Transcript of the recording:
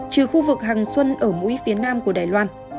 trừ khu vực hàng xuân ở mũi phía nam của đài loan